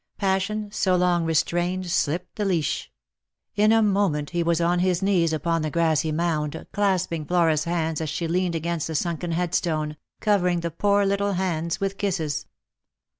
Passion, so long re strained, slipped the leash. In a moment he was on his knees upon the grassy mound, clasping Flora's hands as she leaned against the sunken headstone, covering the poor little hands with kisses.